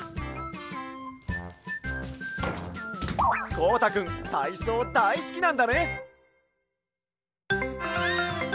こうたくんたいそうだいすきなんだね！